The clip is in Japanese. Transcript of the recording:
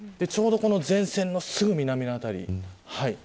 ちょうど前線のすぐ南の辺り。